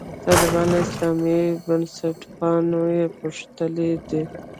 طالبان او اسلامي بنسټپالنه یې پوښلي دي.